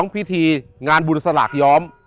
พิธีงานบุญสลากย้อม